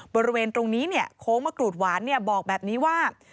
บริเวณตรงนี้โค้งมะกรูดหวานบอกแบบนี้ว่า